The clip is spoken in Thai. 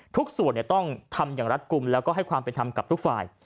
ทุกส่วนต้องทำอย่างรัฐกลุ่มแล้วก็ให้ความเป็นธรรมกับทุกฝ่าย